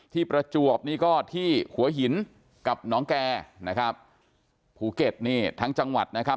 ประจวบนี่ก็ที่หัวหินกับน้องแก่นะครับภูเก็ตนี่ทั้งจังหวัดนะครับ